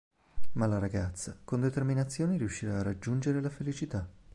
Ma la ragazza con determinazione riuscirà a raggiungere la felicità.